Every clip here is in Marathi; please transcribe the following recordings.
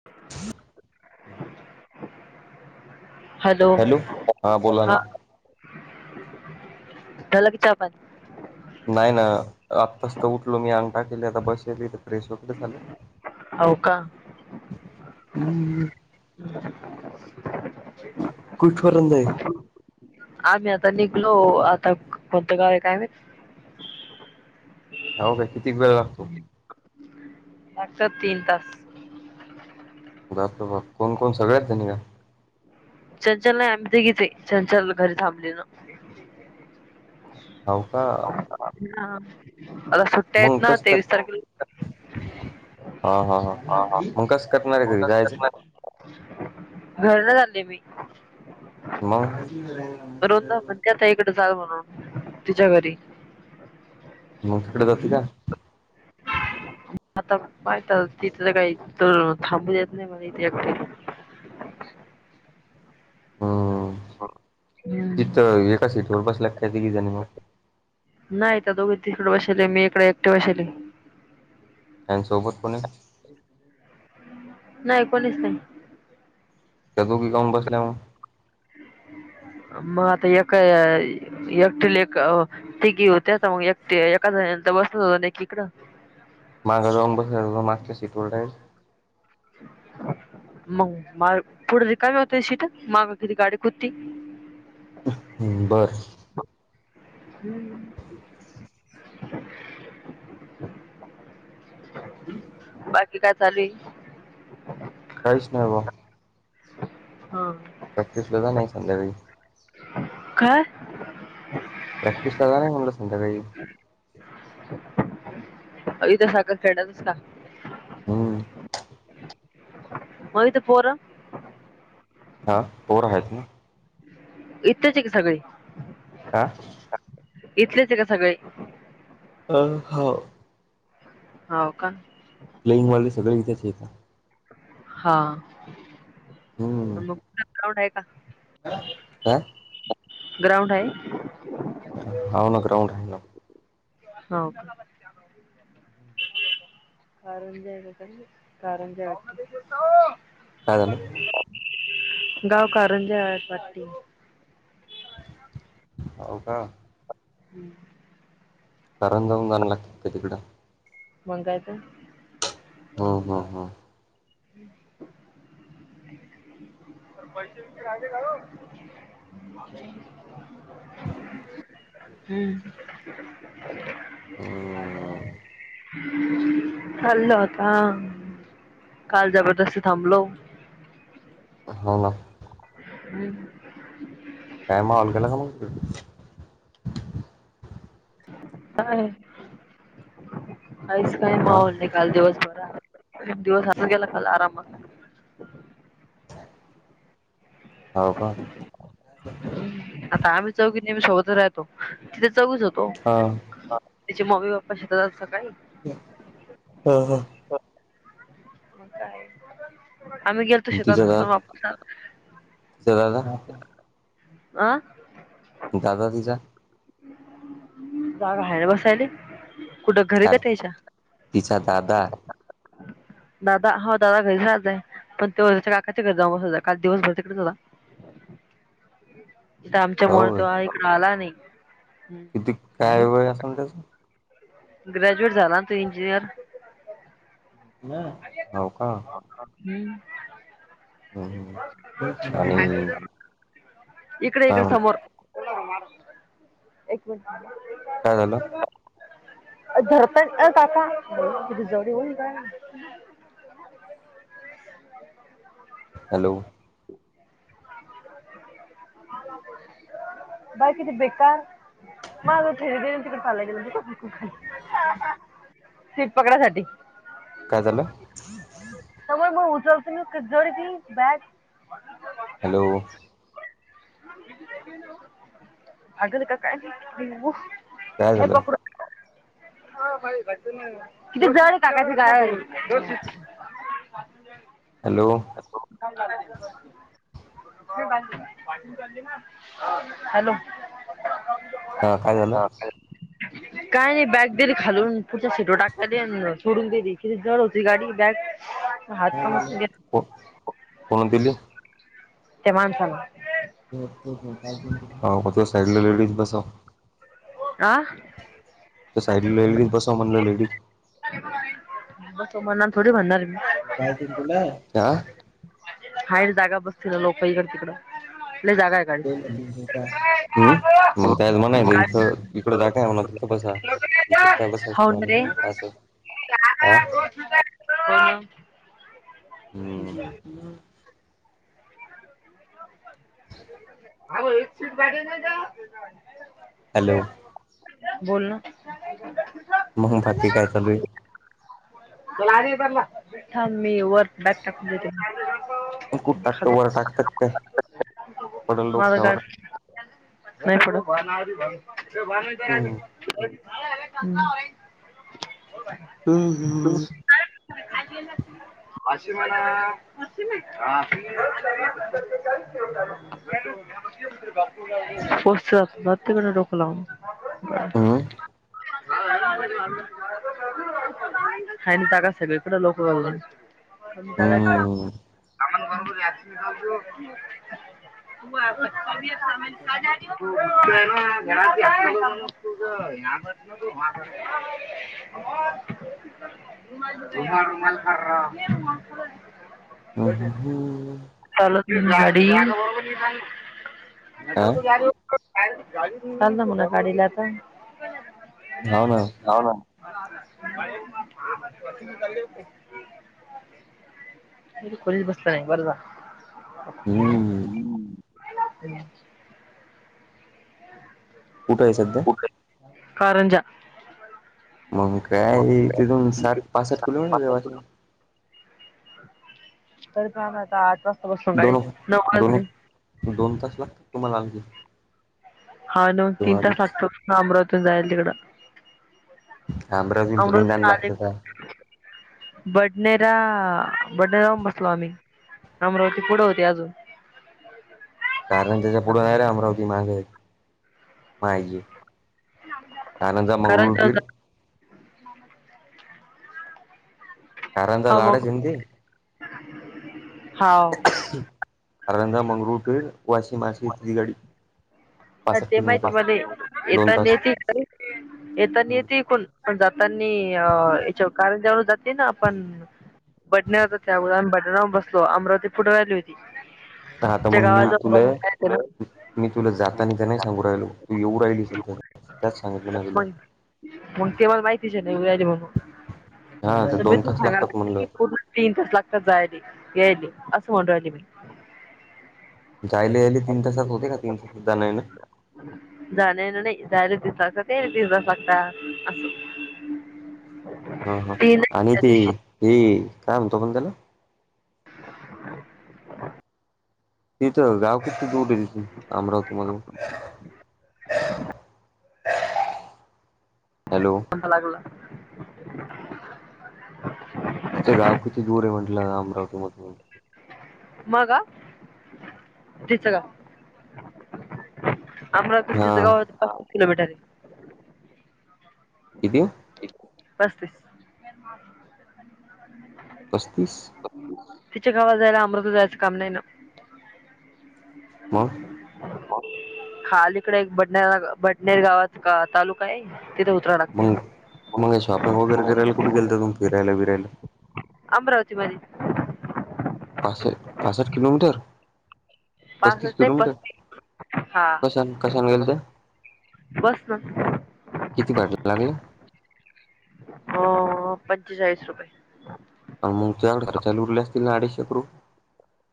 [inaudible] हॅलो हा. चला कि च्या पाणी नाही ना, आत्ताच तर उठलो मी, अंगटा केली आता बसली तर फ्रेश वकडे झाले. होव का? हम्म कुठ पर्यंत जाईल. आम्ही आता निघलो. आता कोणतं गावे काय माहित? हाव काय? कितीक वेळ लागतो? लातात तीन तास. बापरे बाप. कोण कोण, सगळ्याच जनि काय? चंचल नाही, आमी तीघिचे, चंचल घरी थांबली ना. हाव का? हा. आता सु मंग कस कर हा. हा. हा. मग कस करणारे, घरी जायचं. घरी नही चाले मी. मग. जावे म्हणून. तिच्या घरी. मग तिकडं जाती का? आता पायत, तिथल काही तीथ थांबू देत नाही म्हने एकट्या नी. हम्म तिथ, एका सीटवर बसल्या का काय. तीघि जणी म. नाही त्या दोघे तिकडे बसेले. मी इकडे एकटे बसेले. ह आणि सोबत कोणे? नाही, कोणीच नाही. त्या दोघि काऊन बसल्या म? मग आता एकाय एकटिला एक अ तिघी होत्या त म एकटे एका जणी ला त बसण ऐकीकडं. माग जाऊन बसायच म मागच्या सीट होल्डयन. ह [inaudible] मग मा पुढे रिकामी होत सीट. माग किती गाडी कुदती. ह्, बरं. हम्, [inaudible] हम् [inaudible] बाकी काय चालूये? काहीच नाही बा. ह. प्रॅक्टिसले जानार य संध्याकाळी. काय? प्रॅक्टिसला जानार य म्हटलं संध्याकाळी. अव इथ साखर ट्रेडर्ससस टाक हम्म म इथ पोरं. हा, पोर आहेत ना. इथेलेच का सगळे? आ इथलेचे का सगळे? अ हो. हाव का? प्लेइंग हॉल ते सगळे इथेच येतात. हा हम्म [unintelligible] काय? ग्राउंड हाये? हाव ना. ग्राउंड हाय ना. हाव का? [inaudible] गाव काय झालं कारंजे हायत वाटती. हाव का? [unintelligible] [unintelligible] मंग काय करू? हू हू हू. पैसे बिशे राहिले का हो? हम्. चाललोत आहोत, हा काल जबरदस्ती थांबलो. हो ना. हम्. काय मॉलला गेला का मग तू? काय नाही, कायच नाही हा मॉल नाही. काल दिवस बर दिवस हातून गेला काल आरामात. हव का? आता आम्ही चौघी नेहमी सोबतच राहतो, तिथे चौघीचं होतो. हा तीचे मम्मी पप्पा शेतात जाता सकाळी. ह ह. आम्ही गेलतो शेतात पण वापस आलो. शेतात आं दादा तीचा जागा हाय बसायले. कुठं घरी अरे क त्यच्या? तिचा दादा दादा हो दादा वेगळा राहतोय. पण तो त्याच्या काकाच्या घरी जाऊ बसायचा, काल दिवसभर तिकडेच होता. त आमच्यामूळ हो तो ऐक आला नाही्. तीक काय वय अस त्याच? ग्रॅज्युएट झाला ना त इंजिनियर. हव का? हम्म. हम्म आणि [inaudible] इकडे इकडे काय समोर, एक मिनट काय झालं [inaudible] हॅलो [inaudible] बाय कीती बेकार. माझ थेरड तिकड चालल गेलं सीट पकडासाठी. काय झालं. तर मग उचलत क जोडी त बॅग हॅलो [inaudible] काय ए झालं? पकडू किती जर काकाची ग [inaudible] ातूनज हॅलो झा हॅलो हा काय झालं काणी बाग दरी खाून फढचिटो टाका द सोडून दरी ख जर होत गाडी बॅग हात कामातून गेला को कोण दिली. तेमानसाला ते साईड ला लेडीज बसव आ तर साइड लेडीज बसव म्हणलं लेडीज तोमर थोडी म्हणणार मी पाळतील तुला हायर जागा बसतील ना लोक इकडे तिकडं लय जागा आहे गाडीत. हम् मग त्या मणाय गाडी इथ तड जाा काय होणार तिथं बसा तथेच काय बसायच हो ना रे. तुम्हाला असं हा हो हम् अ एक सीटारी न हॅलो जा बोल ना मग फकी काय चालूय छान मी वर्क बॅक टाकून देते कुठाकत खाली वरटाकतकते पडल लोक्यावर नाहीड आज हम्म हम्म अशी मला का पताततेिक रडोकलाम हं खानी त्या का सगळीकठे लोक लाऊत आणि जाच सामान घर क असन चालत मलर ह ह ह ल झाडीु काय चाल ना म्हणा गाडीला आता ना ल खरीच बसला नाही बरं जा हम्म हम्म कुठं आहे सध्या कारंजा मग काय तिथून साठ पाच साठ कुल मिट पासून कर कामता आत्वा दोन दोन दोन तास लागतात तुम्हाला आणलखी हा न तीन तास लागतो अमरावतून जायल तिकडं अमरावती थोडींदान लागते का [unintelligible] बडनेरा बड [unintelligible] अमरावती पुढं होती अजून. कारंजाच्या पुढे नाही रे अमरावती मागे हे माहि कारंजा मंगळूर [unintelligible] कारंजा लाडाच आहे ना ते [unintelligible] कारंजा मंगळूर [unintelligible] वाशी माशी [unintelligible] ह ते माहित मणे दोन येता ने तास [unintelligible] जातानी अ याच्यावर कारंजा वरुन जाते ना पण बडण्यावर [unintelligible] अमरावती पुढच [unintelligible] हां आतां मंग मी तुंले मी तुंले जां. तांनी त्यां नाहीं सांगू राहिलो तूं येऊं राहिली संध्या त्यांचं सांगितलं नाहीं तुलां. मंग त्यां बांले माहिती आहे कां तुं येऊंन राहिली हा म्हणूंन तर दोन तबेतंचं तास सांगा लागतात लागते म्हणलं की तीनं तांस लागतांत जांयले यांयले असं म्हंणू राहिली मी जांयले यांयले तीनं तासांत होते कां तीनं तांस सुद्धां जाणं येणं जांयले यांयले नाहीं जांयले दिड तासं जाते यांयले दिड तासं लागतांत असं हां हां ते नाही आणि त्या ते दिवशी ही कायं म्हणतो आपणं त्यांला [inaudible] [unintelligible] इथं गावं किती दूंर इलं अमरावती मधून. हॅलो. [unintelligible] [unintelligible] तुमचं गावं किती दूंर आहे म्हटलं अमरावती मधूंन. मंग आं तिथं जाऊं. आमरावती तुम्हीं हा गावं किती किलोमीटर आहे. किती पस्तीस पस्तीस. तिच्यां गावांला जायलां अमरावती जायचं कामं नाहीं नं मंग खांलीकडे एक बडने बडनेर गावांत एक तालुकां आहे. तिथं उतरावं मग लागतंय. फिरांयले बिरांयले अमरावती बारीतं पांचशे ये पासष्टं किलोमीटर. पस्तीस पासष्ट नाही किलोमीटर पस्तीस हा कश्यां कश्यांले गेलं त्यां बस ना किती भांडवल लागीलं अं पंचेचांळीस रुपये. अव्हं मंग तूंयांकडे खर्चायले उरले असतीलं नां अडीशे रुपये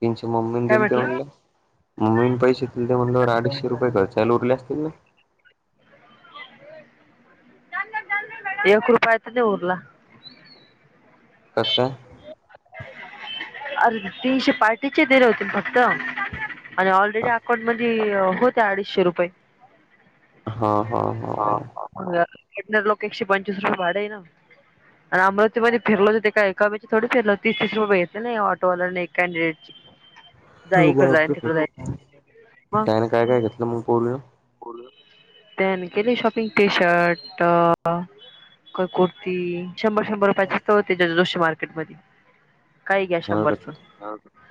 तीनंशे मम्मीनं काय दिलं ते म्हटलं म्हणलं. मम्मीनं पैसे दिलंत म्हंटल्यावर अडिशे रुपये खरच्यांला उरले असतीलं एक रूपया तं नाहीं उरलां कसं कायं अरे तीनंशे पार्टीचे दिले होते फक्तं. फक्तं ऑलरेडी अकाउंट मध्यें होतें अडीचशे रुपये. हां हां इंद्रर लोकं एकशे पंचवीस रुपये भांडे आहे नां मंग आणि अमरावती मध्यें फिरलो ते कायं कमीची थोडी फिरलो तीस तीस रुपयेे घेतले त्यां ऑटो वाल्यांनेआणि एक कांचे [inaudible] [unintelligible] अरे बापरे बांप कायरे कायं कायं घेतलं मंग पोरले त्यांनी केली शॉपिंग ते टी शर्ट कं कुर्ती शंभर शंभर रुपयांचेच तं होते जोशी मार्केटमंध्यें. कांहीं घ्या शंभरचं नवऱ्यात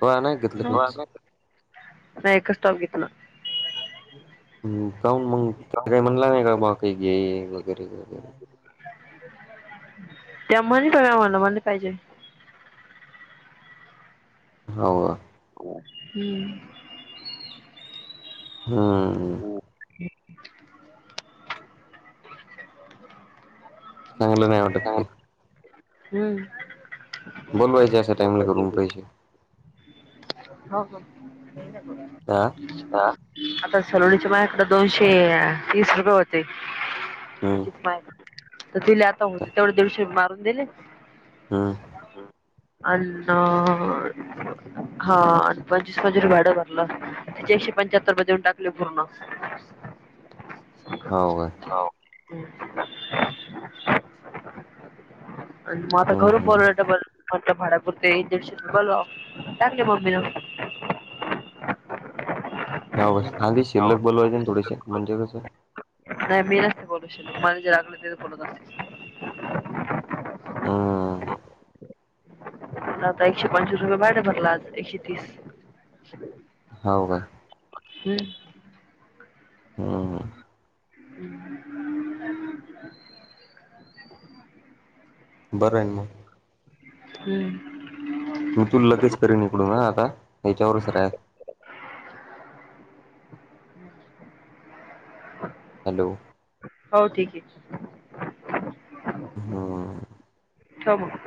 तो आहे नाही घेतलं काहीच मी एकचं टॉप घेतलांय. काऊंन मंग कांहीं म्हणलां नाहीं कां बां कांहीं घे वगैरें वगैरें त्यां म्हनं पणं मलां नायं पाहिजे. हां व हम्मं हम्मं हंम चांगलं नाहीं वाटतं ते. हम्मं बोलवायचे अशा टाईमला घरून पैसे. [unintelligible] हा [unintelligible] आता सलोणीच्या माझ्या कडे दोनशे तीस रुपये होते हम्म तिचे मायक तर तिला आता होते तेवढे दिडशे मारून दिले. हम [inaudible] अन हा अन पंचवीस पंचवीस भाडं भरलं. त्याचे एकशे पंचाहत्तर रुपये देऊन टाकले पूर्ण. हाव काय हो [inaudible] आणि मग आता हम्म घरून हम्म बोलवलं तं म्हटलं भाड्यापुरते एकदीडशे बोलवावं टाकले मम्मीला [unintelligible] आधी शिल्लक बोलवायचे ना थोडेसे म्हणजे कसं नाय मी नसते बोलू शकत, मला जे रागलं ते बोलत असते. हम्म आता एकशे पंचवीस रुपये भाडं भरलं आज. एकशे तीस होव काय? हम्म [unintelligible] [inaudible] बरं आहे ना मग. हम्म मी तूला लगेच करेल हा इक डून हा आता याच्यावरच राहा. हॅलो हो ठीकये. हम ठेव मग.